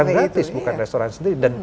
nah iklan gratis bukan restoran sendiri